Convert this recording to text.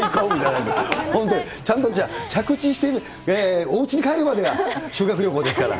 本当にちゃんとじゃあ、着地して、おうちに帰るまでが修学旅行ですから。